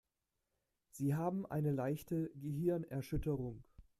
Sie haben eine leichte Gehirnerschütterung.